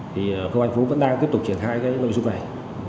thì công an phú vẫn đang tiếp tục triển khai cái nội dung này